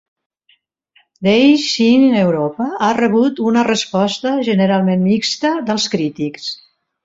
"Days in Europa" ha rebut una resposta generalment mixta dels crítics.